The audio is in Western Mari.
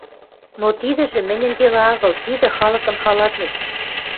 Но тидӹжӹ мӹньӹн дела агыл, тидӹ — халыкын халатность.